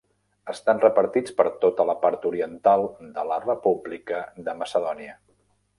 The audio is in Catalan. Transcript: Estan repartits per tota la part oriental de la República de Macedònia.